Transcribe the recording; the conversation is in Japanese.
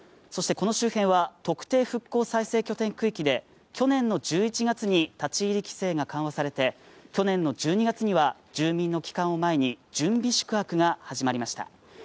この周辺は特定復興再生拠点区域で去年の１１月に立ち入り規制が緩和されて去年の１２月には住民の帰還を前に準備宿泊が始まりました。